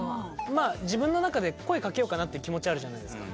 まあ自分の中で声かけようかなって気持ちあるじゃないですか。